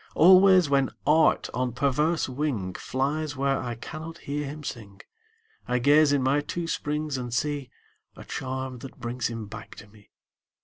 Always, when Art on perverse wing Flies where I cannot hear him sing, I gaze in my two springs and see A charm that brings him back to me.